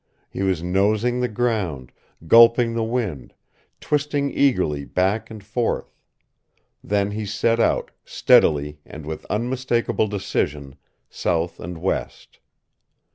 He was nosing the ground, gulping the wind, twisting eagerly back and forth. Then he set out, steadily and with unmistakable decision, south and west.